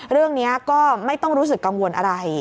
เรื่องนี้ก็ไม่ต้องรู้สึกกังวลอะไร